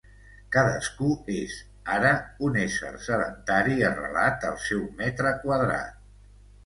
Cadascú és, ara, un ésser sedentari arrelat al seu metre quadrat.